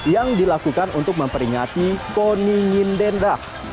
yang dilakukan untuk memperingati koningin denda